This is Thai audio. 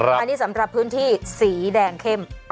อันนี้สำหรับพื้นที่สีแดงเข้ม